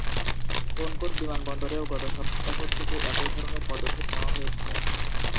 কোন কোন বিমানবন্দরেও গত সপ্তাহ থেকে একই ধরনের পদক্ষেপ নেওয়া হয়েছে?